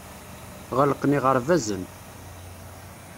Ɣelqen yiɣerbazen.